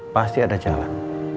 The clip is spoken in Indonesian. pasti ada jalan